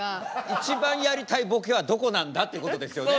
一番やりたいボケはどこなんだってことですよね。